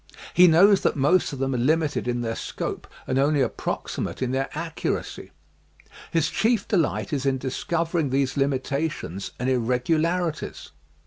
He knows that most of them are limited in their scope and only approximate in their accuracy. His chief delight is in discovering these limitations and irregularities.